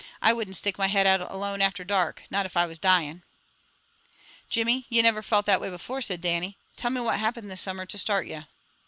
I wouldn't stick my head out alone after dark, not if I was dying!" "Jimmy, ye never felt that way before," said Dannie. "Tell me what happened this summer to start ye."